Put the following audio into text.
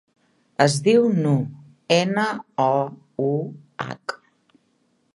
Es diu Nouh: ena, o, u, hac.